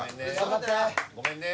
ごめんね。